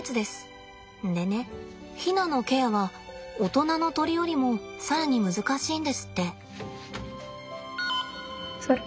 でねヒナのケアは大人の鳥よりも更に難しいんですって。